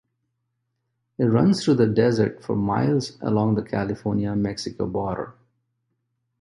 It runs through the desert for miles along the California-Mexico border...